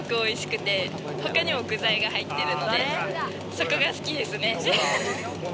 そこが好きですね。